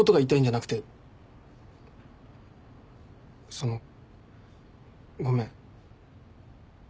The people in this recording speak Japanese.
そのごめん。